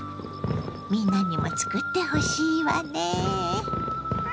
みんなにも作ってほしいわね。